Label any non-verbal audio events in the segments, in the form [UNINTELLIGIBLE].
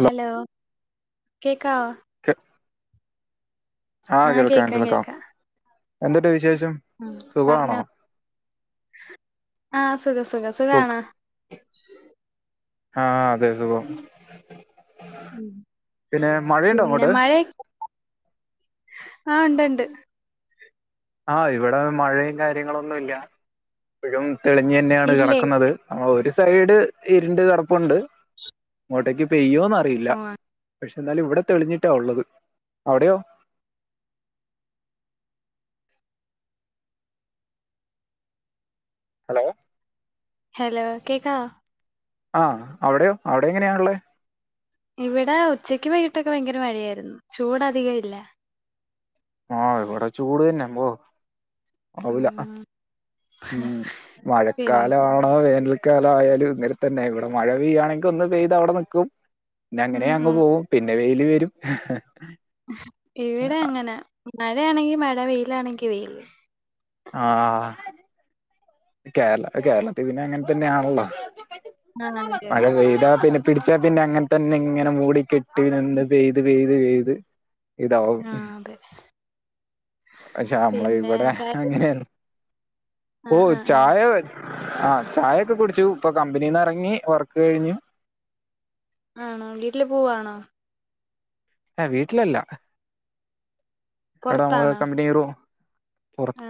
Hello കേക്കാവോ ആഹ് കേൾക്കാം കേക്കാം കേൾക്കാം കേക്കാം എന്തുട്ട് വിശേഷം ഉം സുഖമാണോ പറഞ്ഞോ ആഹ് സുഖം സുഖം സു സുഖാണോ ആഹ് അതെ സുഖം ഉം പിന്നെ മഴയുണ്ടോ പിന്നെ അങ്ങോട്ട് മഴക്കെ [INAUDIBLE] ആഹ് ഇണ്ട് ഇണ്ട് ആഹ് ഇവടെ മഴയും കാര്യങ്ങളൊന്നുല്ല ഇപ്പഴും തെളിഞ്ഞ് തന്നെയാണ് ഇല്ലേ കെടക്കുന്നത്. ആഹ് ഒരു സൈഡ് ഇരുണ്ട് കറുപ്പുണ്ട് ഇങ്ങോട്ടേക്ക് പെയ്യോന്ന് അറിയില്ല. ആഹ് പക്ഷെ എന്നാലും ഇവിടെ തെളിഞ്ഞിട്ടാ ഉള്ളത് അവിടെയോ ഹലോ ഹലോ കേൾക്കാവോ ആഹ് അവിടെയോ അവിടെ എങ്ങനെയാള്ളെ ഇവിടെ ഉച്ചക്ക് വൈകിട്ടൊക്കെ ഭയങ്കര മഴയായിരുന്നു ചൂടധികം ഇല്ല ആഹ് ഇവിടെ ചൂട് തന്നെ പോ ആവൂല ഉം ഉം പിന്നെ മഴക്കാലമാണോ വേനൽ ക്കാലം ആയാലും ഇങ്ങനെ തന്നെ ഇവിടെ മഴ പെയ്യുകയാണെങ്കിൽ ഒന്ന് പെയ്ത് അവിടെ നിൽക്കും പിന്നെ അങ്ങനെ ഉം അങ്ങ് ഉം പോകും പിന്നെ വെയില് വരും ഇവിടെ എങ്ങനാ മഴയാണെങ്കി മഴ വെയിലാണെങ്കി വെയിൽ അ ആഹ് കേരള കേരളത്തിൽ പിന്നെ അങ്ങനെ തന്നെയാണല്ലോ ആഹ് അതെ മഴ അതെ പെയ്താ പിന്നെ പിടിച്ചാൽ പിന്നെ അങ്ങനെ തന്നെ ഇങ്ങനെ മൂടി കെട്ടി നിന്ന് പെയ്ത് പെയ്ത് പെയ്ത് ഇതാവും ആഹ് അതെ പക്ഷെ പിന്നെ നമ്മളവിടെ ചായ അങ്ങനെയാണ്. ഓ ആഹ് ആഹ് ആഹ് ചായ ആഹ് ചായ ഒക്കെ കുടിച്ചു ഇപ്പൊ കമ്പനിന്ന് ഇറങ്ങി വർക്ക് കഴിഞ്ഞു. ആണോ വീട്ടില് പോവാണോ ഏഹ് വീട്ടിലല്ല ഇവിടാ നമ്മള പൊറത്താണോ കമ്പനി റൂം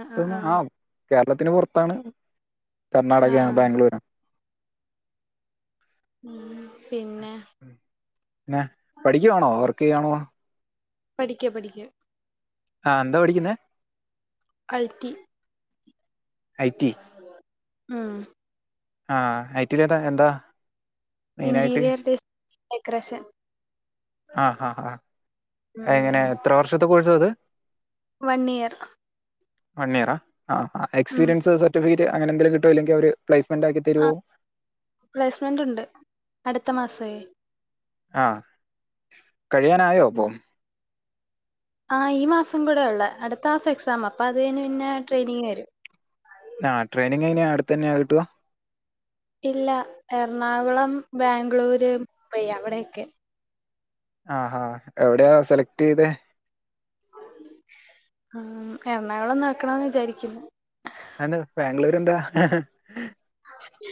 ആഹ് ആഹ് ആ ആഹ് കേരളത്തിന് പുറത്താണ് ആഹ് കർണാടകയാണ് ആഹ് ബാംഗ്ലൂരാണ് ഉം പിന്നെ പിന്നെ പഠിക്കുവാണോ വർക്ക് ചെയ്യുവാണോ പഠിക്കപഠിക്ക ആഹ് എന്താ പഠിക്കുന്നേ അൽട്ടി ഐ ടി ഉം ആഹ് ഐ ടി ഏതാ എന്താ മെയിനാട്ട് ഇന്റീരിയർ ഡിസ് ഡെക്കറേഷൻ ആഹ് ആഹ് ആഹ് ആഹ് എങ്ങനെ ഉം എത്ര വർഷത്തെ കോഴ്‌സത് വൺ ഇയർ വൺ ഇയറ ആഹ് ആഹ് ഉം എക്സ്പീരിയൻസ് സർട്ടിഫിക്കറ്റ് അങ്ങനെ എന്തേങ്കിലും കിട്ടുവോ ഇല്ലെങ്കിൽ അവര് പ്ലസ്മെന്റ് ആക്കി ആ തരുവോ പ്ലേസ്മെന്റ് ഉണ്ട് അടുത്ത മാസമേ ആഹ് കഴിയാനായോ അപ്പോ? ആഹ് ഈ മാസം കൂടെ ഉള്ളു അടുത്ത മാസം എക്സാം അപ്പൊ അത് കഴിഞ്ഞ് പിന്നെ ട്രെയിനിങ്ങിന് വരും. ആഹ് ടെയിനിങ്ങ് എങ്ങനെയാ അടുത്ത് തന്നെയാ കിട്ടുക. ഇല്ല എറണാകുളം, ബാംഗ്ലൂര്, മുംബൈ അവിടെയൊക്കെ. ആഹ് ആഹ് എവിടെയാ സെലക്ട് ചെയ്തെ? ആഹ് എറണാകുളം നോക്കണം വിചാരിക്കുന്നു. അന്ന് ബാംഗ്ലൂര് എന്താ. [INAUDIBLE]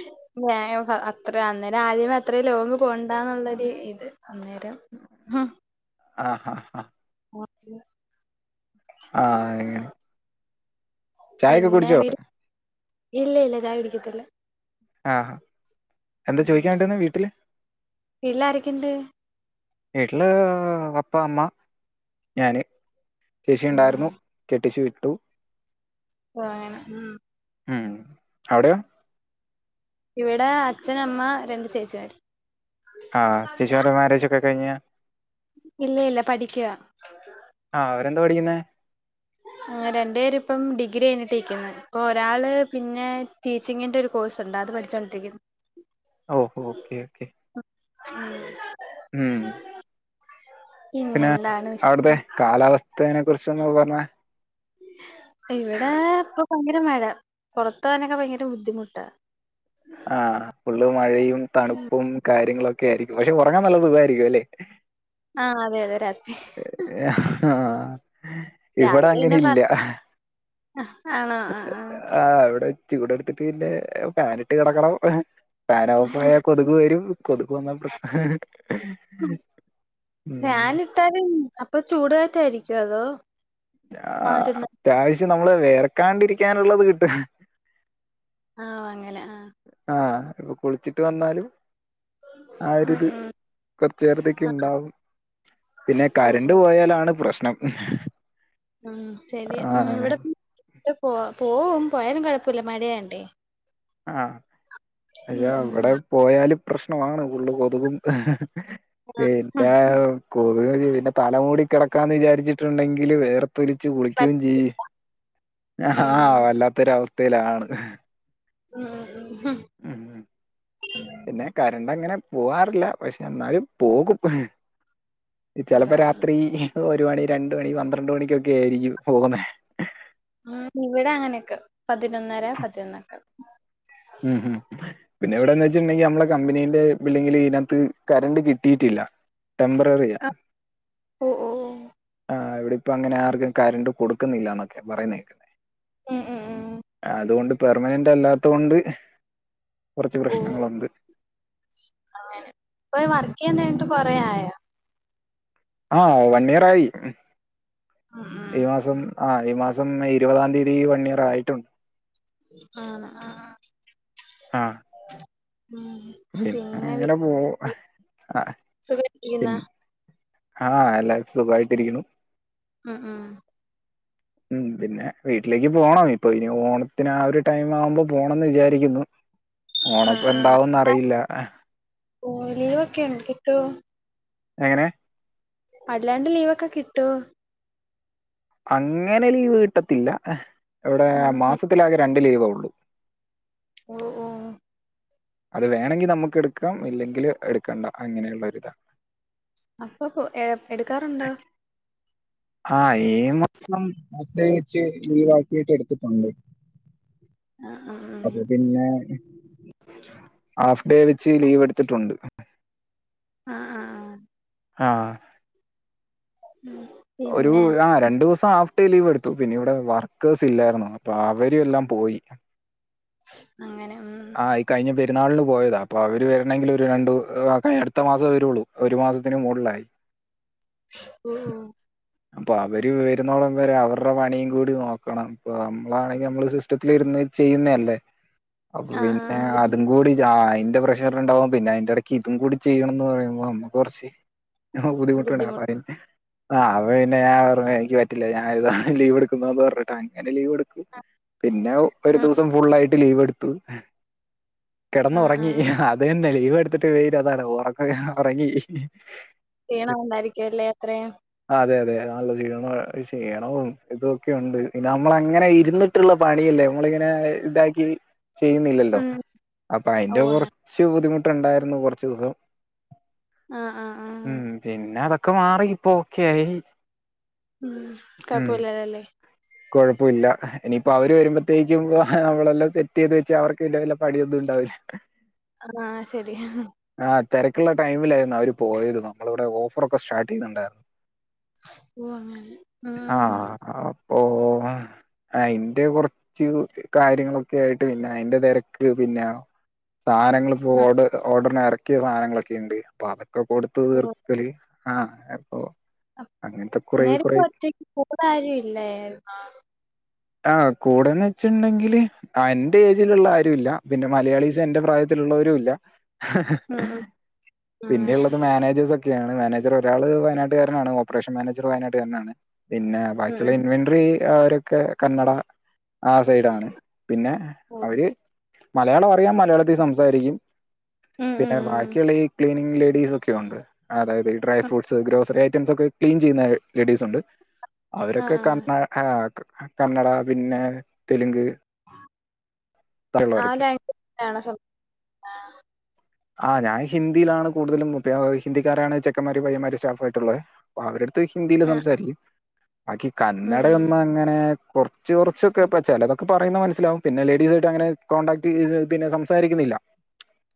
അത്ര അന്നേരം ആദ്യമേ അത്ര ലോങ്ങ് പോണ്ടന്നുള്ളൊരു ഇത് അന്നേരം. ആഹ്. ആഹ് ആഹ് ആഹ്. ഓക്കേ. ആഹ് അങ്ങനെ. ചായയൊക്കെ പിന്നെ കുടിച്ചോ? അവര് ഇല്ല ഇല്ല ചായ കുടിക്കത്തില്ല. ആഹാ. എന്താ ചോദിക്കാൻ വേണ്ടിവന്നേ വീട്ടില്? വീട്ടിലാരൊക്കെ ഉണ്ട്? വീട്ടില് പപ്പ, അമ്മ, ഞാന്. ചേച്ചിയുണ്ടായിരുന്നു ഉം കെട്ടിച്ചു വിട്ടു. ഉം. ഉം അവിടെയോ? ഇവിടെ അച്ഛന്, അമ്മ, രണ്ട് ചേച്ചിമാര്. ആഹ് ചേച്ചിമാരെ മാരേജ് ഒക്കെ കഴിഞ്ഞ്. ഇല്ല ഇല്ല പഠിക്ക്യാ. [INAUDIBLE] ആഹ് അവരെന്താ പഠിക്കുന്നെ? ആഹ് രണ്ട് പേര് ഇപ്പം ഡിഗ്രി കഴിഞ്ഞിട്ടിരിക്കുന്നു ഇപ്പൊ ഒരാള് പിന്നെ. ടീച്ചിങ്ങിന്റെ ഒരു കോഴ്സ് ഉണ്ട് അത് പഠിച്ചുകൊണ്ടിരിക്കുന്നു. ഓഹോ ഓക്കെ ഓക്കെ. ഉം. ഉം. [INAUDIBLE] പിന്നെ അവിടത്തെ വിശേഷം കാലാവസ്ഥേനെ കുറിച്ചൊന്ന് പറഞ്ഞേ. ഇവിടെ ഇപ്പൊ ഭയങ്കര മഴ പുറത്ത് പോവാനൊക്കെ ഭയങ്കര ബുദ്ധിമുട്ടാ. ആഹ് ഫുള്ള് മഴയും തണുപ്പും കാര്യങ്ങളൊക്കെ ആയിരിക്കും പക്ഷെ ഉറങ്ങാൻ നല്ല സുഖമായിരിക്കും അല്ലേ? ആഹ് അതെ അതെ രാത്രി. ആഹ്. ഇവിടെ രാവിലെ അങ്ങനെ പിന്നെ പറ ഇല്ല. ആണോ ആഹ് ആഹ് അവിടെ ചൂട് എടുത്തിട്ട് പിന്നെ ഫാനിട്ട് കിടക്കണം ഫാൻ ഓഫ് ആയാ കൊതുക് തുക് വരും കൊതുക് വന്നാ പ്രശ്നാ. [UNINTELLIGIBLE] അപ്പൊ ചൂടുകാറ്റ് ആയിരിക്കുവോ അതോ? ആഹ് വന്നിരുന്ന് അത്യാവശ്യം നമ്മള് വേർക്കാണ്ടിരിക്കാനുള്ളത് കിട്ടും. ആഹ് അങ്ങനെ ആഹ്. ആഹ് ഇപ്പൊ കുളിച്ചിട്ട് വന്നാലും. ആഹ് ഉം ഒരിത് ഉം കൊറച്ച് നേേരത്തേക്ക് ആഹ് ഉണ്ടാവും. പിന്നെ ഓ കരണ്ട് ഓ പോയാലാണ് പ്രശ്നം. ഉം ശരി ഉം ആ ഇവിടെ പോ പോവും പോയാലും കുഴപ്പില്ല മഴയായണ്ടേ. ആഹ് പക്ഷെ ഉം ഉം അവിടെ പോയാല് പ്രശ്ണമാണ് ഫുള്ള് കൊതുകും പിന്നെ കൊതുക പിന്നെ തല മൂടി കെടക്കാന്ന് വിചാരിച്ചിട്ടുണ്ടെങ്കില് വെയ ർതൊലിച്ച് അതാ കുളിക്കിയോം ചെയ്യ് ആഹ് ഉം വല്ലാത്തൊര അവസ്ഥേലാണ് 'ആ ആ ഉ ഉം പിന്നെ കറണ്ട് അങ്ങനെ പോവാറില്ല പക്ഷെ എന്നാലും പോകും ചെലപ്പ അതാ രാത്രി ഒരു മണി രണ്ട് മണി പന്ത്രണ്ട് മണിക്കൊക്കെ ആയിരിക്കും പോകുന്നെ ഉ ഇവിടെ അങ്ങനെയൊക്കെ പതിനൊന്നര പതിനൊന്നൊക്കെ ഉം ഉം പിന്നെ ഇവിടെന്ന് വെച്ചിട്ടണ്ടെങ്കി നമ്മളെ കമ്പനീന്റെ ബിൽഡിങ്ങില് ഈനകത്ത് കറണ്ട് കിട്ടിയിറ്റില്ല ടെംമ്പററിയ ഓ ഓ ആഹ് ഇവിടെ ഇപ്പോ അങ്ങനെ ആർക്കും കരണ്ട് കൊടുക്കുന്നില്ലാന്നൊക്കെ പറയ്ന്നേക്കുന്നെ ഉം ഉം ഉം അതുകൊണ്ട് പെർമനന്റ് അല്ലാത്തൊണ്ട് കുറച്ച് പ്രശ്നങ്ങളുണ്ട് ങ്ങനെ ഇപ്പൊ വർക്ക് ചെയ്യതൊടങ്ങീറ്റ് കൊറേ ആയോ? ആ വൺ ഇയർ ആയി ഉം ഉം ഈ മാസം ആ ഈ മാസം ഇരുപതാം തീയതി വൺ ഇയർ ആയിട്ടു ആണ് ആ ഉം പി പിന്നെ അങ്ങനെ പോ ആഹ് ആ സുഖയിട്ടിരിക്ക്ന്ന? ആ എല്ലാർക്കും സുഖായിട്ടിരിക്ണു ഉം ഉം ഉ പിന്നെ വീട്ടിലേക്ക് പോണം ഇപ്പൊ ഇനി ഓണത്തിന് ആ ഒരു ടൈം ആവുമ്പോ പോണംന്ന് വിചാരിക്കുന്നു ഓണപ്പ എന്താവുംന്നറിയില്ല ഓണ ലീവൊക്കെ ഉണ്ട് കിട്ടോ? എങ്ങനെ അല്ലാണ്ട് ലീവൊക്കെ കിട്ടോ അങ്ങനെ ലീവ് കിട്ടത്തില്ല ഇവ്ടെ ഉം ഉം മാസത്തിലാകെ രണ്ട് ലീവ് ഒള്ളൂ. ഓ ഓഹ് അത് വേണങ്കി നമുക്ക് എടുക്കാം ഇല്ലെങ്കിൽ എടുക്കണ്ട അങ്ങനെയുള്ള ഒരു ഇതാണ് അപ്പൊ പ്പ എ എടുക്കാറുണ്ട് ആഹ് ഈ മാസം പ്രത്യേകിച്ച് ലീവ് ആക്കീട്ട് എടുത്തിട്ടുണ്ട്. ആ ആഹ് അപ്പൊ പിന്നെ ഹാഫ് ഡേ വെച്ച് ലീവ് എടുത്തിട്ടുണ്ട്. ആ ആഹ് ആഹ് ഉം ഒരു പിന്നെ ആ രണ്ടൂസം ആഫ് ഡേ ലീവ് എടുത്തു പിന്നെ ഇവിടെ വർക്കേസ് ഇല്ലായിരുന്നു അപ്പൊ അവര് എല്ലാം പോയി. അങ്ങനെ ഉം ആ ഈ കഴിഞ്ഞ പെരുന്നാളിന് പോയതാ അപ്പോ അവര് വരണെങ്കി ഒരു രണ്ടു [UNINTELLIGIBLE] അടുത്ത മാസേ വരുള്ളൂ ഒരു മാസത്തിനു മൂളിലായി ഉം ഉം [INAUDIBLE] അപ്പ അവര് വരുന്നോളം വരെ അവർടെ പണിം കൂടി നോക്കണം ഇപ്പ നമ്മളാണെങ്കി നമ്മൾ സിസ്റ്റത്തിലിര്ന്ന് ചെയ്യുന്നെ അല്ലേ അപ്പ ആഹ് പിന്നേ ആഹ് ബു അ തും കൂടി ആഹ് അയ്ന്റെ പ്രഷറ്ണ്ടാവും പിന്നെ അയ്ന്റെടെയ്ക്ക് ഇതും കൂടി ചെയ്യണംന്ന് പറയ്മ്പോ നമ്മക്ക് കൊറെച്ച് ഞഹ ബുദ്ധിമുട്ട്ണ ബുദ്ധിമുട്ട് പറിം ആഹ് അപ്പ പിന്നെ ഞാൻ പറഞ്ഞ് എനിക്ക് പറ്റില്ല ഞാൻ ഇതാ ലീവ് എട്ക്കുന്നൂന്ന് പർഞ്ഞ് അങ്ങനെ ലീവെട്ത്തു പിന്നെ ഒരു ആഹ് ദിവ്സം ഫുള്ളായിട്ട് ലീവെട്ത്തു കെടെന്ന് ആഹ് ഒർങ്ങി ആഹ് അത് തന്നെ ലീവെട്ത്തിട്ട് വെര് അതാണ് ഒറക്കെ ഒറെങ്ങി ക്ഷീണമുണ്ടായിരിക്ക്യു അല്ലേ അത്രേം ആഹ് അതെ അതെ നല്ല ഷീണം ക്ഷീണവും ഇത് വൊക്കെ ഉണ്ട് പിന്നെ നമ്മളങ്ങെനെ ഇര്ന്ന് ട്ട്ള്ളെ പണിയല്ലേ നമ്മളിങ്ങെനേ ഇതാക്കി ചെയ്യ്ന്നില്ലല്ലോ ഉം അപ്പ അയ്ന്റെ ഓഹ് അങ്ങനെ കാെർച്ച് ബുദ്ധിമുട്ട്ണ്ടായ്ര്ന്നു കാെർച്ചൂസം ആഹ് ആഹ് ആഹ് ഉം പിന്നെ അതൊക്കെ മാറി ഇപ്പൊ ഓക്കെ ആയി ഉം കഴപ്പം ഇല്ലലെ അല്ലേ കാെഴപ്പാെ ഇല്ല ഇനിയിപ്പോ അവര് വര്മ്പത്തേക്കും നമ്മളെല്ലാം സെ റ്റെയ്ത് വെച്ച അവർക്ക് വല്യ വല പണിയൊന്നുംണ്ടാവ്‌ല ആഹ് ആഹ് ശെരി ആഹ് തെരെക്ക്ള്ളെ ടയ്മിലായ്ര്ന്നു അവര് പോയത് നമ്മള് ഇവ്ടെ ഓഫറൊക്കെ സ്റ്റാർട്ട് ചെയ്ന്ന്ണ്ടായ്ര് ഓഹ് അങ്ങനെ ഉം ആഹ് ഹ പ്പോ അഹ് അയ്ന്റെ കൊർച്ച് കാര്യങ്ങളൊ ക്കേയ്ട്ട് പിന്നെ അയ്ന്റെ തെരെക്ക് പിന്നാ സാനങ്ങള്പ്പ ഉം ഓഡ് ഓഡ എർക്ക്യ സാധനങ്ങളൊക്കെ ഇണ്ട് അപ്പൊ അതൊക്കെ കൊടുത്ത് തീർക്കല് ആഹ് അപ്പോ അം അന്നേര ഒറ്റെയ്ക്ക് കൂടെ ആരും ഇല്ലേയ്ര്ന്നാേ ആഹ് കൂടെന്നെച്ച്ണ്ടെങ്കില് ആഹ് എന്റെ ഏജില്ള്ള ആരും ഇല്ല പിന്നെ മലയാളീസ് എന്റെ പ്രായത്തിലുള്ളവരും ഇല്ല ഉം ഉം പിന്നെ ആഹ് ഇള്ളെത് മാനേജേസാെക്ക് നാണ് മാനേജെറ് ഒരാള് വയനാട്ട്കാരനാണ് ഓപ്പറേഷൻ മാനേജെറ് വയനാട്ട്കാര്നാണ് പിന്നെ ഉം ബാക്കിയുള്ള ഇൻവെൻട്റി അവരൊക്കെ കന്നഡ ആ സൈഡാണ് പിന്നെ അവര് മലയാളം അറിയാം മലയാളത്തി സംസാരിക്കും ഉം ഉം പിന്നെ ഉം ബാക്കിയ്ള്ള ഈ ക്ലീനിങ് ലേഡീസാെക്കെയുണ്ട് അതായത് ഈ ഡ്രേ ഉം ഫ്രൂട്ട്സ് ഗ്രോസറി ഐറ്റംസാെക്കെ ക്ലീൻ ചെയ്യ്ന്നെ ലേഡീസുണ്ട് അവരൊക്കെ ആഹ് ക ആഹ് ണ് ഏഹ് ക് കന്നഡ പിന്നെ തെല്ങ്ക് ആഹ് [UNINTELLIGIBLE] സ്വ ആഹ് ആഹ് ഞാൻ ഹിന്ദിയിലാണ് കൂട്തലും മുത്തെ ഹിന്ദിക്കാരാണ് ചെക്കന്മാര് പയ്യമ്മാര് സ്റ്റാഫായ്ട്ട്ള്ളെ പ്പ അവരട്ത്ത് ഹിന്ദിയില് ആഹ് സംസാരിയ്ക്കും ബാക്കി ഉം ഉം കന്നഡയൊന്നും അങ്ങെനെ കൊർ ർച്ച് കൊർച്ചൊക്കെപ്പ ചെലെതാെക്കെ പറയ്ന്നെ മനസ്സിലാവും പിന്നെ ലേഡീസായിട്ടങ്ങനെ കോൺണ്ടാക്ട് പിന്നെ സംസാരിക്കുന്നില്ല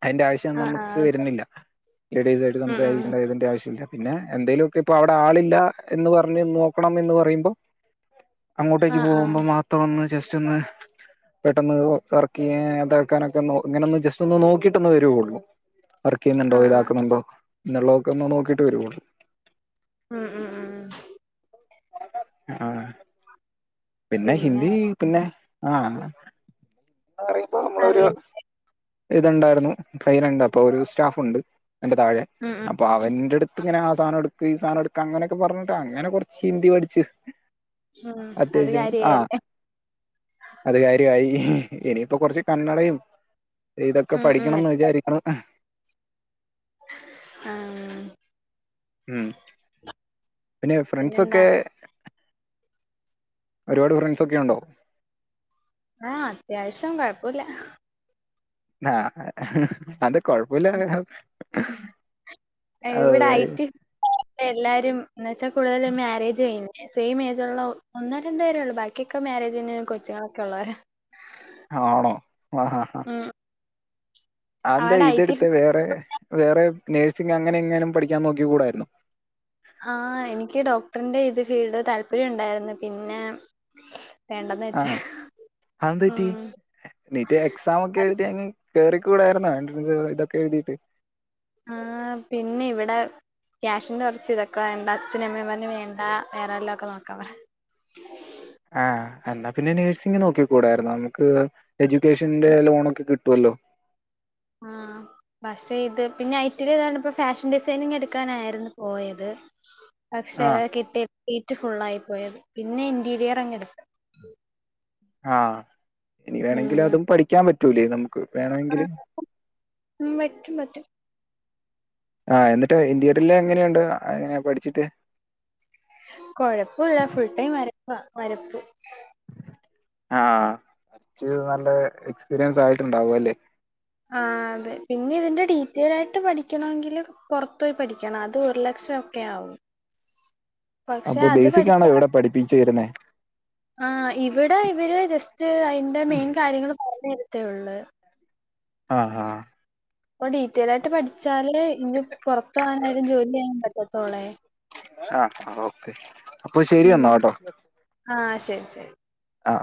അയ്ന്റെ ആവ്ശ് ആഹ് നമുക്ക് ആഹ് വര്ന്നില്ല ലേഡീസായിട്ട് ഉം ഉം സംസാരിക്കെണ്ട ഇതിന്റെ ആവ്ശ്യുല്ല പിന്നെ എന്തേലു ഒക്കെ ഇപ്പൊ അവ്ടെ ആളില്ലാ എന്ന് പർഞ്ഞ് നോക്കണം എന്ന് പറയ്മ്പം അങ്ങോട്ടേക്ക് ആഹ് ആഹ് പോകുമ്പം മാത്രം ഒന്ന് ജെസ്റ്റാെന്ന് പെട്ടെന്ന് വർക്കെയ്യാൻ അതാക്കാനൊക്കെ ഇങ്ങനൊന്ന് ജസ്റ്റാെന്ന് നോക്കീട്ടൊന്ന് വെരുവാെള്ളൂ വർക്കെയ്യ്ന്ന്ണ്ടോ ആഹ് ആഹ് ഇതാക്ക്ന്ന്ണ്ടോ എന്നുള്ളതൊക്കെ ഒന്ന് നോക്കീട്ട് വെരുവൊള്ളൂ ഉം ഉം ഊം ആഹ് പിന്നെ ഹിന്ദീ പിന്നെ ആഹ് പറയ്മ്പ നമ്മളൊരു അറിയാം ഇത്ണ്ടായ്ര്ന്നു ട്രെയിന്ണ്ട് അപ്പൊ ഒരു സ്റ്റാഫുണ്ട് എന്റെ താഴെ ഉം ഉം അപ്പൊ അവന്റട് ത്ത്ങ്ങെനെ ആ സാനം ട്ക്ക് ഈ സാനം ട്ക്ക് അങ്ങനെയെക്കെ പർഞ്ഞിട്ട് അങ്ങെനെ കാെർച്ച് ഹിന്ദി പഠിച്ച് ഉം അത് അത്യാവശ്യം ആ കാര്യായല്ലേ അത് കാര്യായി ഇനിയിപ്പോൊ കുറച്ച് കന്നടയും ഇതൊക്കെ ഉം ഉം പഠിക്കണംന്ന് വിചാരിക്ക്ണു ആ ആ ഉം [UNINTELLIGIBLE] പിന്നെ ഫ്രണ്ട്സൊക്കെ പിന്നെന്താണ് ഒരുപാട് ഫ്രണ്ട്സൊക്കെ ഒണ്ടോ? ആ അത്യാവശ്യം കൊഴപ്പൊല്ല ആ അതെന്താ കൊഴപ്പൂല്ലാന്ന് ഇവിടെ ഐ ടി എല്ലാരും ന്ന് വെച്ചാ കൂടുതൽ മാരേജ് ചെയ്യുന്നു സെയിം ഏജൊള്ള ഒന്നോ രണ്ടോ പേരൊള്ളൂ ബാക്കിയൊക്കെ മാരേജ് കയ്ഞ്ഞു കൊച്ചുങ്ങളൊക്കെ ഉള്ളവര ആണോ ആഹാ ഹാ അന്താ അവിടെ ഐ ടി ഇതെടുത്ത് വേറെ വേറെ നേഴ്സിങ് അങ്ങനെ എങ്ങാനും പഠിക്കാൻ നോക്കി കൂടായിരുന്നൊ ആ എനിക്ക് ഡോക്ടറിന്റെ ഇത് ഫീൽഡ് താല്പര്യം ഉണ്ടായിരുന്നു പിന്നെ വേണ്ടന്ന് ആ വെച്ചാ അതെന്തു പറ്റി ഉം നീറ്റ് എക്സാം ഒക്കെ എഴുതി അങ്ങ് കേറിക്കൂടാരുന്നോ എൻട്രൻസ് ഇതൊക്കെ എഴുതിയിട്ട് ആ പിന്നിവിടെ ക്യാഷിന്റെ കൊറച്ച് ഇതൊക്കെ വേണ്ട അച്ഛന് അമ്മയും പറഞ്ഞ് വണ്ട വേറെ വല്ലതൊക്കെ നോക്കാം പറ ആ എന്നാ പിന്നെ നഴ്സിംഗ് നോക്കി കൂടാരുന്നോ നമുക്ക് എഡ്യൂക്കേഷന്റെ ലോണൊക്കെ കിട്ടുവല്ലോ ആ പക്ഷേ ഇത് പിന്നെ ഐറ്റിടേ ത് പറഞ്ഞപ്പോ ഫാഷൻ ഡിസൈനിങ് എടുക്കാനായിരുന്നു പോയത് പക്ഷെ ആഹ് കിട്ടി സീറ്റ് ഫുള്ളായി പോയത് പിന്നെ ഇന്റീരിയറങ്ങ് എടുത്തു ആ ഇനി വേണമെങ്കിലും ഉം അതും പഠിക്കാൻ പറ്റൂലേ നമുക്ക് വേണമെങ്കില് ഉം പറ്റും പറ്റും ആ എന്നിട്ട് ഇന്റീയറിൽ എങ്ങനെയുണ്ട് എങ്ങനെയ പഠിച്ചിട്ട് കുഴപ്പവില്ല ഫുൾടൈം വരപ്പ വരപ്പ് ആ വരച്ച് നല്ല എക്സ്പീരിയൻസ് ആയിട്ടുണ്ടാവു അല്ലേ? ആ അതെ പിന്നെ ഇതിന്റെ ഡീറ്റെയിലായിട്ട് പഠിക്കണമെങ്കില് പൊറത്ത് പോയി പഠിക്കണം അത്ഒരുലഷം ഒക്കെ ആവും പക്ഷെ അപ്പൊ അത് ബേസിക് പഠിച്ച ആണോ എവിടെ പഠിപ്പിച്ചേരുന്നെ ആ ഇവിടെ ഇവര് ജസ്റ്റ് അതിന്റെ മെയിൻ കാര്യങ്ങൾ പറഞ്ഞ് തരത്തേഒള്ളു ആ ഹാ പ്പൊ ഡീറ്റൈൽൽ ആയിട്ട് പഠിച്ചാല് ന്നെങ്കി പൊറത്ത് ആണേലും ജോലി ചെയ്യാൻ പറ്റത്തൊള്ളേ ആ ആ ഓക്കെ അപ്പൊ ഉം. ശരിയെന്നാ കേട്ടോ ആ ശരി ശരി. ആ